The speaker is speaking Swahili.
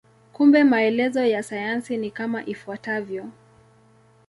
Kumbe maelezo ya sayansi ni kama ifuatavyo.